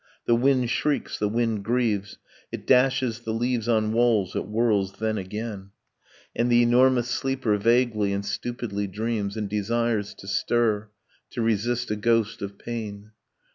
. The wind shrieks, the wind grieves; It dashes the leaves on walls, it whirls then again; And the enormous sleeper vaguely and stupidly dreams And desires to stir, to resist a ghost of pain.